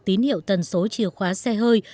tín hiệu tần số chìa khóa xe hơi